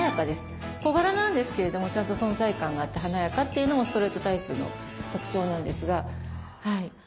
小柄なんですけれどもちゃんと存在感があって華やかというのもストレートタイプの特徴なんですが。